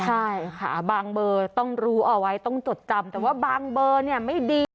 ใช่ค่ะบางเบอร์ต้องรู้เอาไว้ต้องจดจำแต่ว่าบางเบอร์เนี่ยไม่ดี